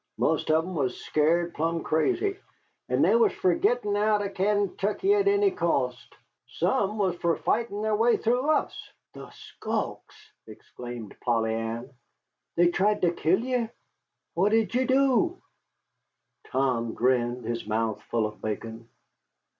Most of 'em was scared plum' crazy, and they was fer gittin 'out 'n Kaintuckee at any cost. Some was fer fightin' their way through us." "The skulks!" exclaimed Polly Ann. "They tried to kill ye? What did ye do?" Tom grinned, his mouth full of bacon.